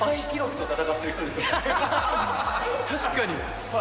確かに。